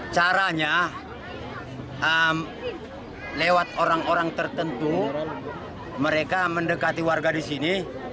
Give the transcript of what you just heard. caranya lewat orang orang tertentu mereka mendekati warga di sini